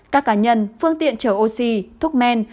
các cá nhân phương tiện chở oxy thuốc men